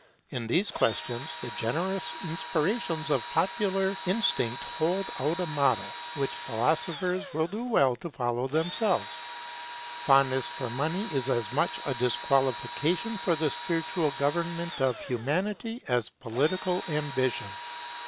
In these questions, the generous inspirations of popular instinct hold out a model which philosophers will do well to follow themselves. Fondness for money is as much a disqualification for the spiritual government of Humanity, as political ambition.